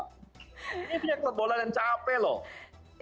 ini punya klub bola dan capek loh